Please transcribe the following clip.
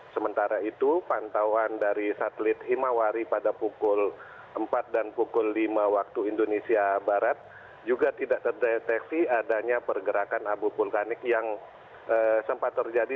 sementara itu pantauan dari satelit himawari pada pukul empat dan pukul lima waktu indonesia barat juga tidak terdeteksi adanya pergerakan abu vulkanik yang sempat terjadi